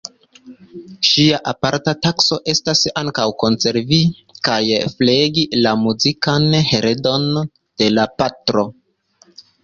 Ŝia aparta tasko estas ankaŭ konservi kaj flegi la muzikan heredon de la patro.